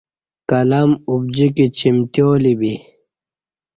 قلم ابجیکی چمتیالی بی